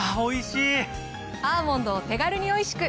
アーモンドを手軽においしく。